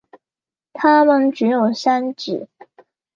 它们只有三趾。